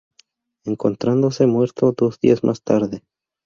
Encontrándose muerto dos días más tarde.